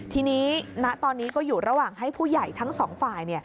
ทีนี้ณตอนนี้ก็อยู่ระหว่างให้ผู้ใหญ่ทั้งสองฝ่าย